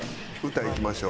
歌いきましょう。